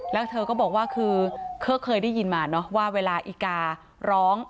แล้วเธอก็บอกว่าคือเคยได้ยินมาเนอะว่าเวลาอีการ้อง